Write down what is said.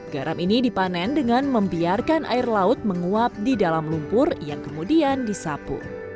garam ini dipanen dengan membiarkan air laut menguap di dalam lumpur yang kemudian disapu